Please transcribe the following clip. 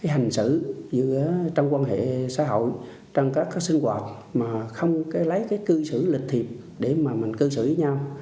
hành xử trong quan hệ xã hội trong các sinh hoạt mà không lấy cư xử lịch thiệp để mà mình cư xử với nhau